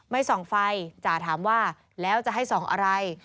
ไม่ส่องไฟจ่าถามว่าแล้วจะให้ส่องอะไร